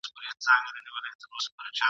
غلیم ته غشی تر دوست قربان یم !.